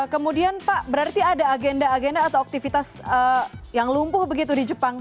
kemudian pak berarti ada agenda agenda atau aktivitas yang lumpuh begitu di jepang